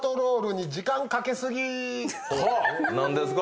何ですか？